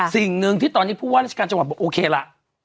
สิ่งหนึ่งที่ตอนนี้ผู้ว่าราชการจังหวัดบอกโอเคล่ะ